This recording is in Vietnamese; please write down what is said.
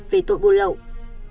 về tội buôn lậu